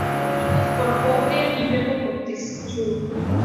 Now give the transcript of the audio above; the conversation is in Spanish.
Liderados por Joker, y luego por Tetsuo.